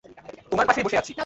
তোমার পাশেই বসে আছি।